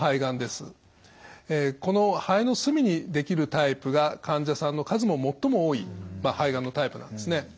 この肺の隅にできるタイプが患者さんの数も最も多い肺がんのタイプなんですね。